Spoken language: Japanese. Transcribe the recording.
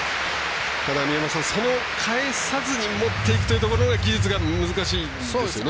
宮本さん、返さずに持っていくというところの技術が難しいんですよね。